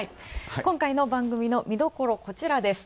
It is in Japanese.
今回の番組の見どころです。